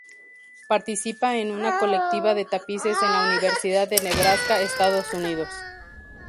Participa en una colectiva de tapices en la Universidad de Nebraska, Estados Unidos.